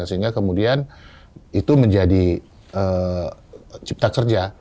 sehingga kemudian itu menjadi cipta kerja